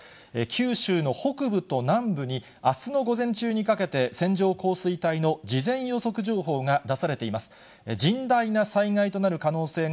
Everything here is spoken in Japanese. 九州の北部と南部に、あすの午前中にかけて線状降水帯の事前予測情報が出されています。